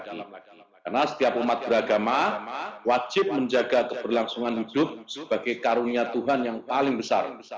karena setiap umat beragama wajib menjaga keberlangsungan hidup sebagai karunia tuhan yang paling besar